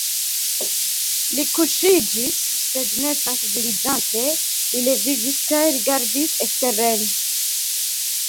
Li kuŝiĝis sed ne trankviliĝante li leviĝis kaj rigardis eksteren.